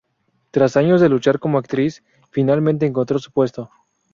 Tras años de luchar como actriz, finalmente encontró su puesto.